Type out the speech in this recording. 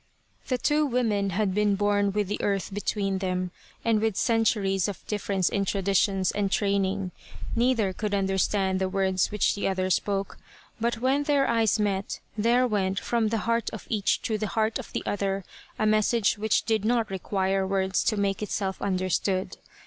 The two woman had been born with the earth between them, and with centuries of difference in traditions and training. Neither could understand the words which the other spoke, but when their eyes met there went from the heart of each to the heart of the other a message which did not require words to make itself understood.